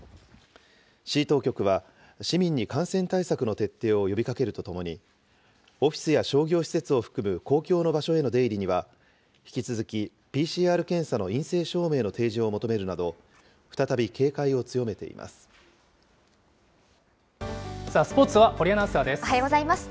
市当局は、市民に感染対策の徹底を呼びかけるとともに、オフィスや商業施設を含む公共の場所への出入りには、引き続きＰＣＲ検査の陰性証明の提示を求めるなど、再び警戒を強スポーツは堀アナウンサーでおはようございます。